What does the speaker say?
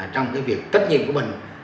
trong việc thách nhiệm của mình